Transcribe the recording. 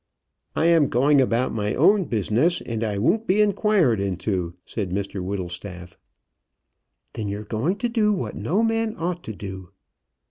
"I am going about my own business, and I won't be inquired into," said Mr Whittlestaff. "Then you're going to do what no man ought to do."